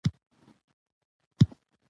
ساده سړی خدای ساتي .